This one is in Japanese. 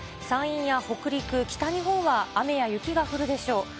山陰や北陸、北日本は雨や雪が降るでしょう。